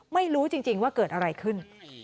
ไม่รู้จริงว่าเกิดอะไรขึ้น